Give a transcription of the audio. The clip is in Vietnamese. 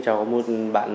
ném xe đi vào đường